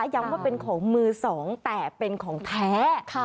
ย้ำว่าเป็นของมือสองแต่เป็นของแท้